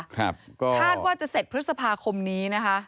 คาดว่าจะเสร็จพฤษภาคมนี้นะคะ